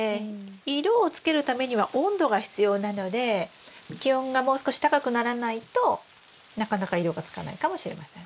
色をつけるためには温度が必要なので気温がもう少し高くならないとなかなか色がつかないかもしれません。